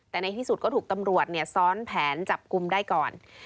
แต่ในที่สุดก็ถูกตำรวจซ้อนแผนจับกลุ่มได้ก่อน